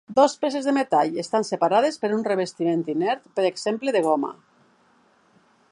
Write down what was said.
Dos peces de metall estan separades per un revestiment inert, per exemple de goma.